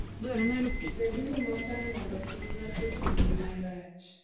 beduru motang' mondo kik ng'ato timnu marach.